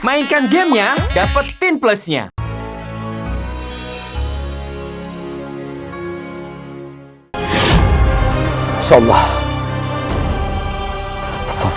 mainkan gamenya dapetin plusnya